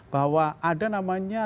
bahwa ada namanya